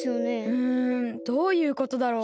うんどういうことだろう？